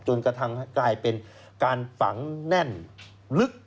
กระทั่งกลายเป็นการฝังแน่นลึก